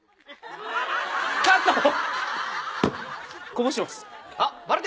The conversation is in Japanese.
こぼしてます。